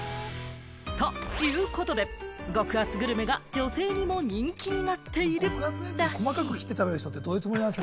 ということで、極厚グルメが女性にも人気になっているらしい。